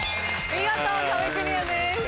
見事壁クリアです。